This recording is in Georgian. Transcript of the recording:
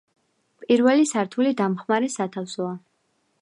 პირველი სართული დამხმარე სათავსია.